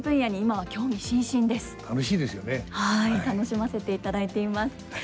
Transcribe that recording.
はい楽しませていただいています。